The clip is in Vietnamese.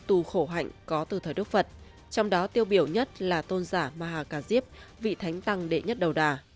tù khổ hạnh có từ thời đức phật trong đó tiêu biểu nhất là tôn giả maha cà diếp vị thánh tăng đệ nhất đầu đà